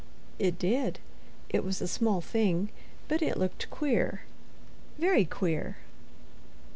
It did. It was a small thing. But it looked queer, Very queer.